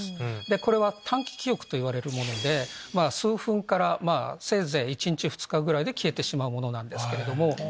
これは短期記憶といわれるもので数分からせいぜい一日二日で消えてしまうものなんです。